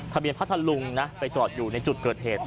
ทะเบียนพระทะลุงไปจอดอยู่ในจุดเกิดเหตุ